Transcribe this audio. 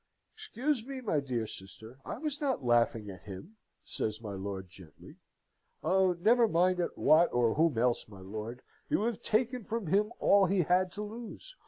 "Excuse me, my dear sister, I was not laughing at him," said my lord, gently. "Oh, never mind at what or whom else, my lord! You have taken from him all he had to lose.